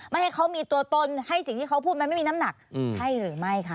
ให้เขามีตัวตนให้สิ่งที่เขาพูดมันไม่มีน้ำหนักใช่หรือไม่ค่ะ